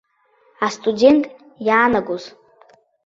Астудент иаанагоз.